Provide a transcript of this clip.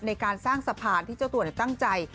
ในการสร้างสะพานที่เจ้าตัวตั้งใจ